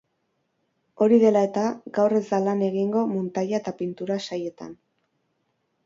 Hori dela eta, gaur ez da lan egingo muntaia eta pintura sailetan.